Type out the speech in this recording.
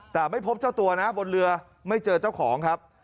แต่ไม่พบเจ้าตัวนะบนเรือไม่เจอเจ้าของครับ